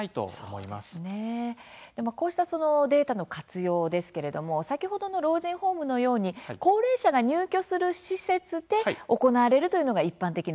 そうですね、こうしたデータの活用ですけれども先ほどの老人ホームのように高齢者が入居する施設で行われるというのが一般的なんですか。